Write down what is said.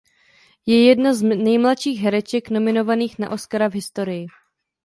Je jedna z nejmladších hereček nominovaných na Oscara v historii.